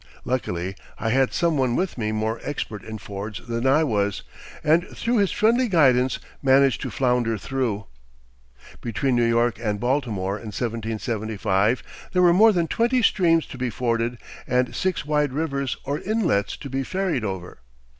Luckily, I had some one with me more expert in fords than I was, and through his friendly guidance managed to flounder through. Between New York and Baltimore, in 1775, there were more than twenty streams to be forded, and six wide rivers or inlets to be ferried over.